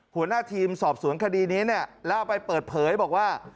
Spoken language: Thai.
หัวหน้าทีมสอบสวนคดีนี้เนี่ยแล้วเอาไปเปิดเผยบอกว่า